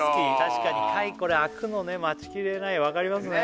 確かに貝これ開くの待ちきれないわかりますね